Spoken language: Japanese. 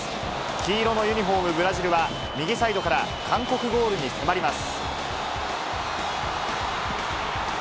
黄色のユニホーム、ブラジルは、右サイドから韓国ゴールに迫ります。